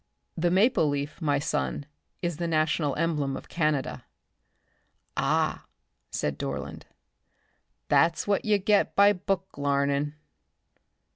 "The maple leaf, my son, is the national emblem of Canada." "Ah," said Dorland, "that's what you get by book larnin'."